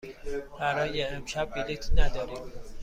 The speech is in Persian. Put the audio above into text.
برای امشب بلیط نداریم.